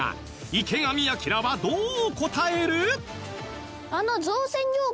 池上彰はどう答える？